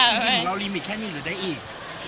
จริงเราลีมิตแค่นี้หรือได้อีก